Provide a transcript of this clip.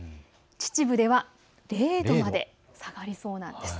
秩父では０度まで下がりそうです。